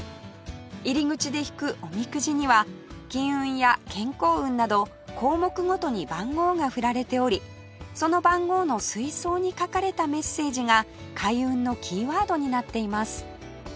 入り口で引くおみくじには金運や健康運など項目ごとに番号が振られておりその番号の水槽に書かれたメッセージが開運のキーワードになっています